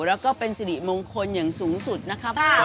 แล้วก็เป็นสิริมงคลอย่างสูงสุดนะครับ